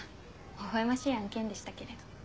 ほほ笑ましい案件でしたけれど。